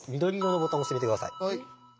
はい。